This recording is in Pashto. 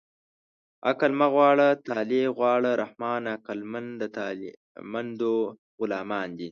عقل مه غواړه طالع غواړه رحمانه عقلمند د طالعمندو غلامان دي